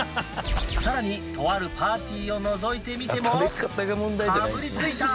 さらに、とあるパーティーをのぞいてみても、かぶりついた！